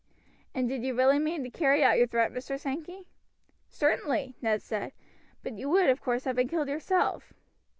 "And did you really mean to carry out your threat, Mr. Sankey?" "Certainly," Ned said. "But you would, of course, have been killed yourself."